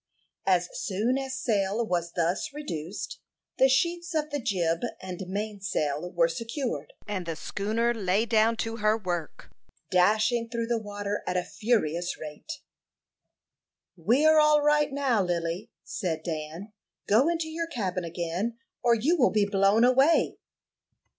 As soon as sail was thus reduced, the sheets of the jib and mainsail were secured, and the schooner lay down to her work, dashing through the water at a furious rate. "We are all right now, Lily," said Dan. "Go into your cabin again, or you will be blown away."